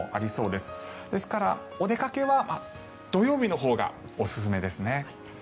ですからお出かけは土曜日のほうがおすすめですね。